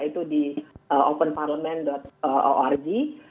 itu di openparlament org